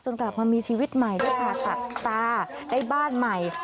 กลับมามีชีวิตใหม่ได้ผ่าตัดตาได้บ้านใหม่